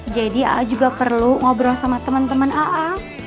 jadi a'a juga perlu ngobrol sama temen temen a'a